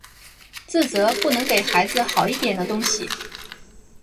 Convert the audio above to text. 自责不能给孩子好一点的东西